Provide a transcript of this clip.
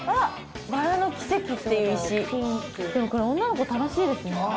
「バラの奇跡」っていう石でもこれ女の子楽しいですねああそう？